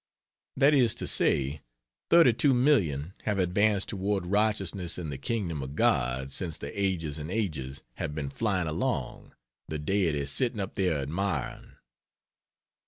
That is to say, 32,000,000 have advanced toward righteousness and the Kingdom of God since the "ages and ages" have been flying along, the Deity sitting up there admiring.